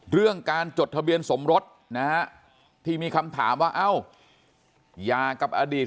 เรื่องการจดทะเบียนสมรสนะฮะที่มีคำถามว่าเอ้ายากับอดีต